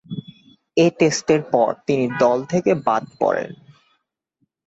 এ টেস্টের পর তিনি দল থেকে বাদ পড়েন।